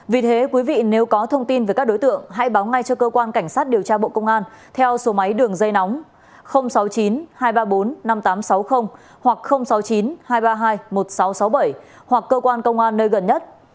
vì thế quý vị nếu có thông tin về các đối tượng hãy báo ngay cho cơ quan cảnh sát điều tra bộ công an theo số máy đường dây nóng sáu mươi chín hai trăm ba mươi bốn năm nghìn tám trăm sáu mươi hoặc sáu mươi chín hai trăm ba mươi hai một nghìn sáu trăm sáu mươi bảy hoặc cơ quan công an nơi gần nhất